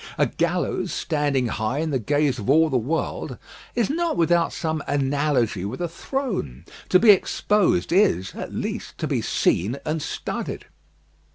A gallows standing high in the gaze of all the world is not without some analogy with a throne. To be exposed is, at least, to be seen and studied.